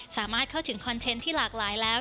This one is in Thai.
สามารถเข้าถึงคอนเทนต์ที่หลากหลายแล้ว